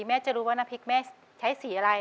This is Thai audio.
แม่จะรู้ว่าน้ำพริกแม่ใช้สีอะไร